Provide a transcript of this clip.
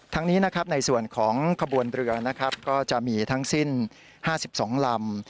นี้นะครับในส่วนของขบวนเรือนะครับก็จะมีทั้งสิ้น๕๒ลำ